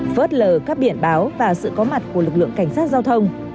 phớt lờ các biển báo và sự có mặt của lực lượng cảnh sát giao thông